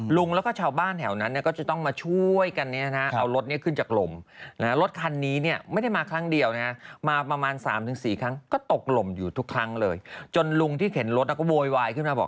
หลวงแล้วก็ชาวบ้านแถวนั้นก็จะต้องมาช่วยกันเนี้ยนะ